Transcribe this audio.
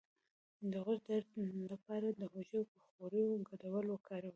د غوږ د درد لپاره د هوږې او غوړیو ګډول وکاروئ